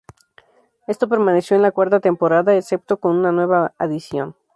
Esto permaneció en la cuarta temporada, excepto con una nueva adición.